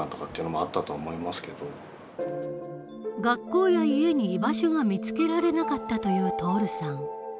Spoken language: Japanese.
学校や家に居場所が見つけられなかったという徹さん。